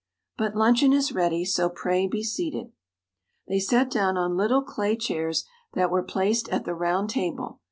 But luncheon is ready, so pray be seated." They sat down on little clay chairs that were placed at the round table.